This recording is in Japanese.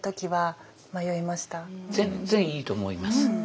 全然いいと思います。